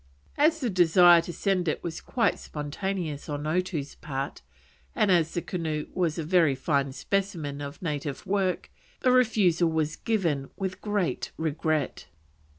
As the desire to send it was quite spontaneous on Otoo's part, and as the canoe was a very fine specimen of native work, the refusal was given with great regret.